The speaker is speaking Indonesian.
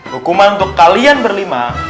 hukuman untuk kalian berlima